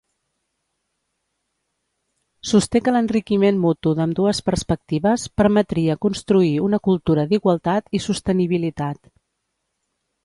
Sosté que l'enriquiment mutu d'ambdues perspectives permetria construir una cultura d'igualtat i sostenibilitat.